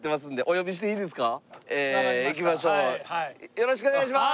よろしくお願いします。